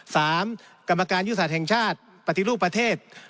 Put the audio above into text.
กรรมการยุทธศาสตร์แห่งชาติปฏิรูปประเทศ